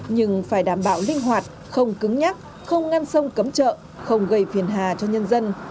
nhưng phải đảm bảo linh hoạt không cứng nhắc không ngăn sông cấm chợ không gây phiền hà cho nhân dân